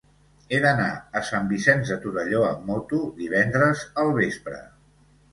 He d'anar a Sant Vicenç de Torelló amb moto divendres al vespre.